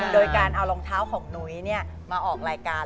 โดยการเอารองเท้าของนุ้ยมาออกรายการ